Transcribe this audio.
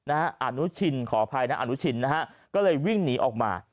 อนุชินขออภัยนะอนุชินนะฮะก็เลยวิ่งหนีออกมา